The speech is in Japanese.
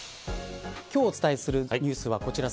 今日お伝えするニュースはこちら。